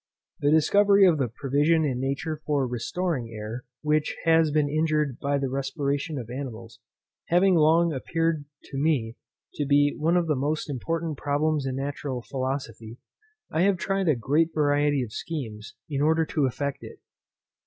The discovery of the provision in nature for restoring air, which has been injured by the respiration of animals, having long appeared to me to be one of the most important problems in natural philosophy, I have tried a great variety of schemes in order to effect it.